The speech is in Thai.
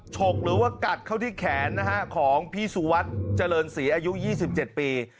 ฉกหรือว่ากัดเข้าที่แขนนะฮะของพี่สุวัสดิ์เจริญศรีอายุ๒๗ปี